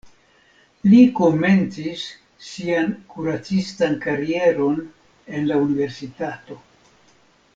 Li komencis sian kuracistan karieron en la universitato.